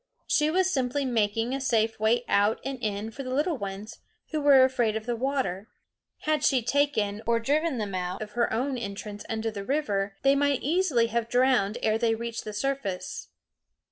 She was simply making a safe way out and in for the little ones, who were afraid of the water. Had she taken or driven them out of her own entrance under the river, they might easily have drowned ere they reached the surface.